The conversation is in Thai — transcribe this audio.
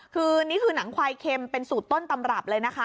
คือนี่คือหนังควายเค็มเป็นสูตรต้นตำรับเลยนะคะ